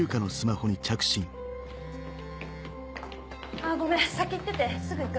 あぁごめん先行っててすぐ行く。